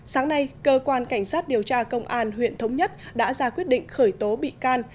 sáng nay cơ quan cảnh sát điều tra công an huyện thống nhất đã ra quyết định khởi tố bị can